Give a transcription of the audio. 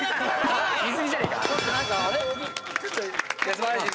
素晴らしい！